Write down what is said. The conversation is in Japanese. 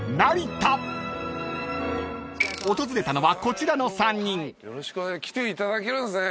［訪れたのはこちらの３人］来ていただけるんですね。